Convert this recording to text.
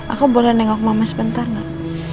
aku boleh nengok mama sebentar gak